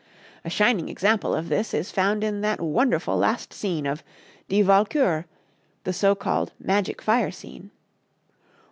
A shining example of this is found in that wonderful last scene of "Die Walküre," the so called Magic Fire Scene.